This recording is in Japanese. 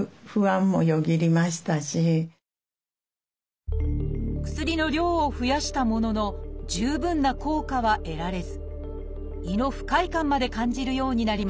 すると薬の量を増やしたものの十分な効果は得られず胃の不快感まで感じるようになりました。